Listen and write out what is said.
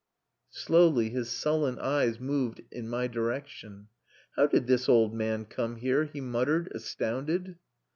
Slowly his sullen eyes moved in my direction. "How did this old man come here?" he muttered, astounded.